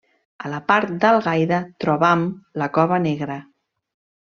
A la part d'Algaida trobam la cova Negra.